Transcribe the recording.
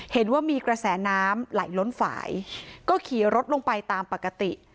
เห็นว่ามีกระแสน้ำไหลล้นฝ่ายก็ขี่รถลงไปตามปกติ